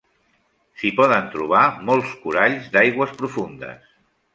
S'hi poden trobar molts coralls d'aigües profundes.